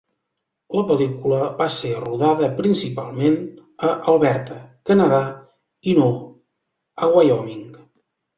La pel·lícula va ser rodada principalment a Alberta, Canadà, i no a Wyoming.